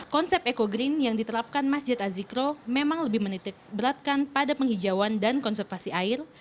konsep eco green yang diterapkan masjid azikro memang lebih menitik beratkan pada penghijauan dan konservasi air